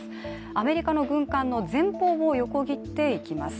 アメリカの軍艦の前方を横切っていきます。